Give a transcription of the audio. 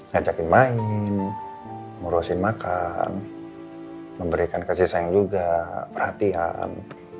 ngajakin main ngurusin makan memberikan kasih sayang juga perhatian